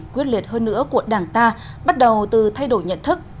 quyết liệt hơn nữa của đảng ta bắt đầu từ thay đổi nhận thức